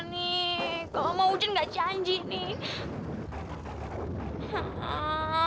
kalau nggak mau hujan nggak janji nih